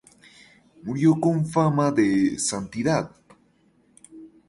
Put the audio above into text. Murió con fama de santidad.